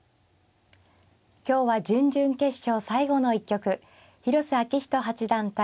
今日は準々決勝最後の一局広瀬章人八段対